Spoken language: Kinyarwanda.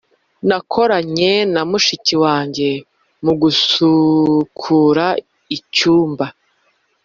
nakoranye na mushiki wanjye mu gusukura icyumba.